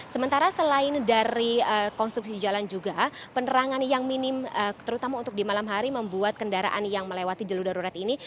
sementara selain dari konstruksi jalan juga penerangan yang minim terutama untuk di malam hari membuat kendaraan yang melewati jalur darurat ini